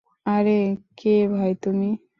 আরে, কে ভাই তুমি?